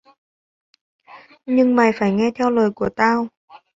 Nhưng mày phải nghe theo lời của tao